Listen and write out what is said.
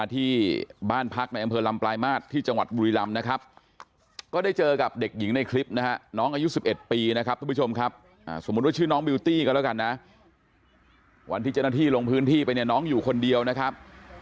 ที่ขาซ้ายถูกโซ่มัดเอาไว้จริงนะครับ